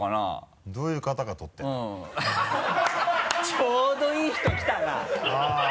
ちょうどいい人来たな。